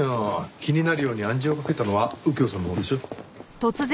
気になるように暗示をかけたのは右京さんのほうでしょ。